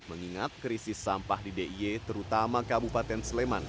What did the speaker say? mengingat krisis sampah di d i e terutama kabupaten sleman